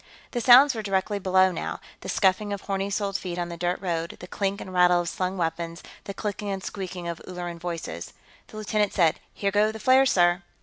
The sounds were directly below, now the scuffing of horny soled feet on the dirt road, the clink and rattle of slung weapons, the clicking and squeeking of Ulleran voices. The lieutenant said, "Here go the flares, sir."